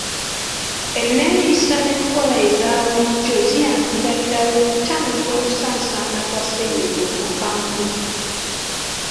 Enneeyisa n’enkola eza bulijjo ziyambira ddala okutangira okusaasaana kwa ssennyiga omukambwe.